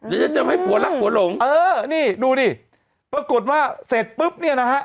จะเจิมให้ผัวรักผัวหลงเออนี่ดูดิปรากฏว่าเสร็จปุ๊บเนี่ยนะฮะ